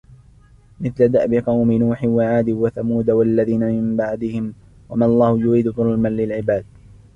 مثل دأب قوم نوح وعاد وثمود والذين من بعدهم وما الله يريد ظلما للعباد